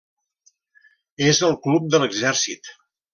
És el club de l'exèrcit.